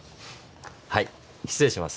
はい失礼します